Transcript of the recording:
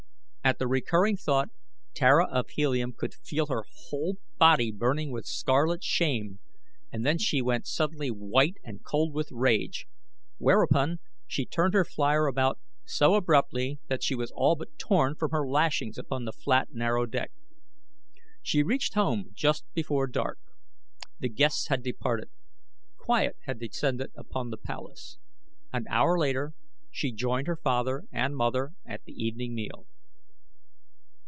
At the recurring thought, Tara of Helium could feel her whole body burning with scarlet shame and then she went suddenly white and cold with rage; whereupon she turned her flier about so abruptly that she was all but torn from her lashings upon the flat, narrow deck. She reached home just before dark. The guests had departed. Quiet had descended upon the palace. An hour later she joined her father and mother at the evening meal.